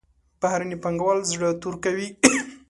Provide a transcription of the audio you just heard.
بهرني پانګوال زړه تور کوي.